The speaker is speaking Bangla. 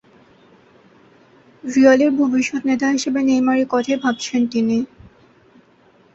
রিয়ালের ভবিষ্যৎ নেতা হিসেবে নেইমারের কথাই ভাবছেন তিনি।